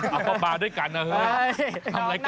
เอาประบาทด้วยกันนะเฮ้ยทำรายการด้วยกันนะ